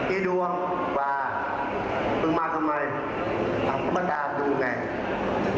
อีดวงว่าเพิ่งมาทำไมต้องมาดามดูไง